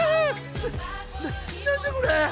なな何だこれ！